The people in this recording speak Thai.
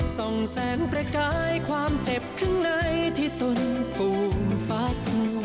แสงประกายความเจ็บข้างในที่ตนภูมิฟัด